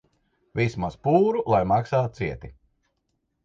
Vismaz pūru lai maksā cieti.